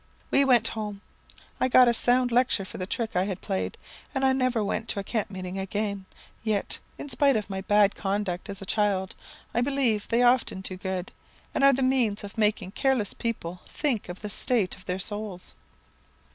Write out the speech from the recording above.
"We went home. I got a sound lecture for the trick I had played, and I never went to a camp meeting again; yet, in spite of my bad conduct as a child, I believe they often do good, and are the means of making careless people think of the state of their souls."